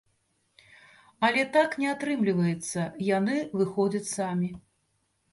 Але так не атрымліваецца, яны выходзяць самі.